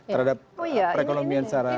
terhadap perekonomian secara